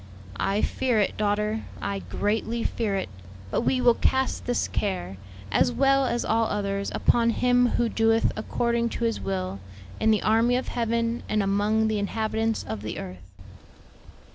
"I fear it, daughter, I greatly fear it; but we will cast this care, as well as all others, upon Him who 'doeth according to His will, in the army of heaven and among the inhabitants of the earth.'"